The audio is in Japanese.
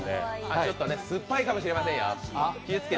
ちょっと酸っぱいかもしれませんよ、気をつけて。